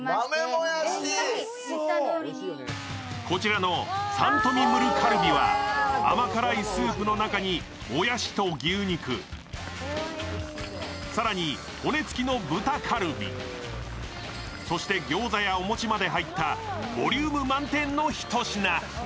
こちらのサントミ・ムル・カルビは、甘辛いスープの中にもやしと牛肉、更に骨つきの豚カルビ、そしてギョーザやお餅まで入ったボリューム満点のひと品。